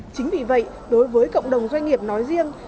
chính vì vậy đối với cộng đồng doanh nghiệp nói riêng